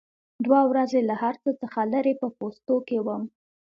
دوه ورځې له هر څه څخه لرې په پوستو کې وم.